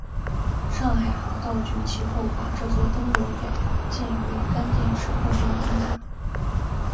上海航道局其后把这座灯楼改建为干电池供电的灯塔。